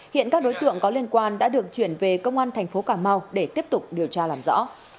hiện các đối tượng có liên quan đã được chuyển về công an thành phố cà mau để tiếp tục điều tra làm rõ